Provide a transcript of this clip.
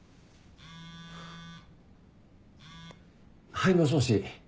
はいもしもし？